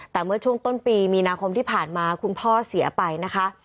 แต่เมื่อช่วงต้นปีมีนาคมที่ผ่านมาคุณพ่อเสียไปนะคะ